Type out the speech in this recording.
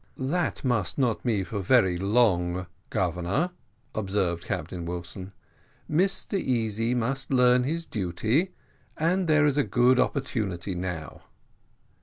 "That must not be for very long, Governor," observed Captain Wilson. "Mr Easy must learn his duty, and there is a good opportunity now."